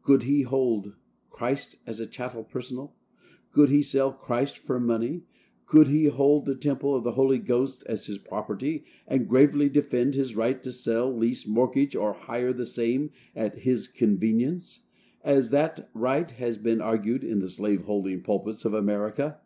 Could he hold Christ as a chattel personal? Could he sell Christ for money? Could he hold the temple of the Holy Ghost as his property, and gravely defend his right to sell, lease, mortgage or hire the same, at his convenience, as that right has been argued in the slave holding pulpits of America?